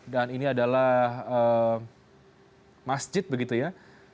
dan ini adalah masjid begitu ya